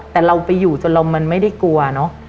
แต่เราไปอยู่จนเรามันไม่ได้กลัวเนอะ